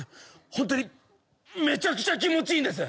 ホントにめちゃくちゃ気持ちいいんです。